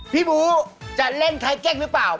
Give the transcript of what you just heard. พี่บู๋จะเล่นไทยเก๊กหรือเปล่า